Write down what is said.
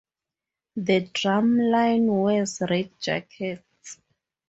The drum line wears red jackets.